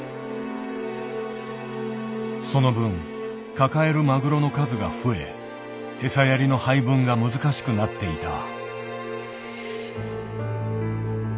その分抱えるマグロの数が増え餌やりの配分が難しくなっていた。